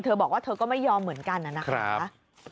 บอกว่าเธอก็ไม่ยอมเหมือนกันนะครับ